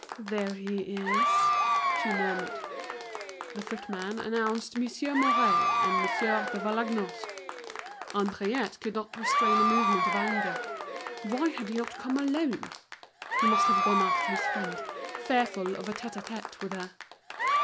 "There he is," she murmured. The footman announced Monsieur Mouret and Monsieur de Vallagnosc. Henriette could not restrain a movement of anger. Why had he not come alone? He must have gone after his friend, fearful of a tête à tête with her.